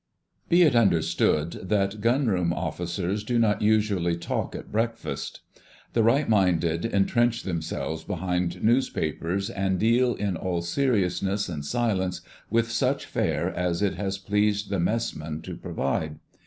* Be it understood that Gunroom Officers do not usually talk at breakfast. The right minded entrench themselves behind newspapers, and deal in all seriousness and silence with such fare as it has pleased the Messman to provide.